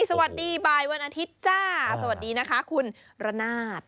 สวัสดีบ่ายวันอาทิตย์จ้าสวัสดีนะคะคุณระนาด